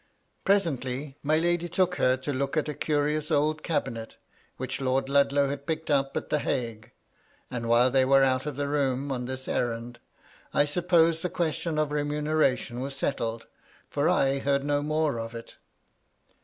Presently, my lady took her to look at a curious old cabinet, which Lord Ludlow had picked up at the Hague ; and while they were out of the room on this errand, I suppose the question of remuneration was settled, for I heard no more of it.